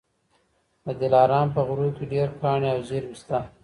د دلارام په غرو کي ډېر کاڼي او زېرمې سته.